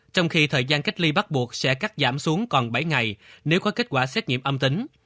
trong khi thời gian cách ly bắt buộc sẽ cắt giảm xuống còn bảy ngày nếu có kết quả xét nghiệm âm tính